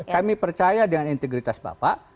kami percaya dengan integritas bapak